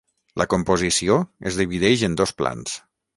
La composició es divideix en dos plans.